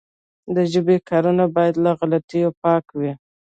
د ژبي کارونه باید له غلطیو پاکه وي.